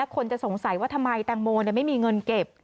คนจะสงสัยว่าทำไมแตงโมไม่มีเงินเก็บ